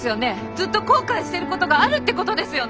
ずっと後悔してることがあるってことですよね？